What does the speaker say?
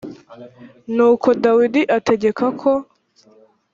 nuko dawidi ategeka ko